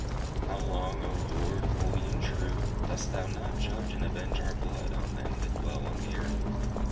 "How long, O Lord, holy and true, dost thou not judge and avenge our blood, on them that dwell on the earth?"